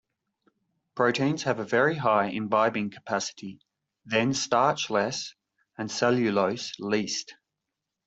Proteins have a very high imbibing capacity then starch less and cellulose least.